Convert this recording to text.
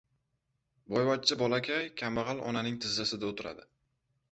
• Boyvachcha bolakay kambag‘al onaning tizzasida o‘tiradi